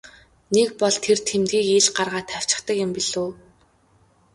Нэг бол тэр тэмдгийг ил гаргаад тавьчихдаг юм билүү.